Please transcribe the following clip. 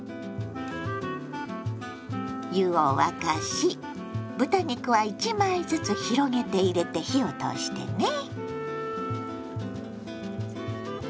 湯を沸かし豚肉は１枚ずつ広げて入れて火を通してね。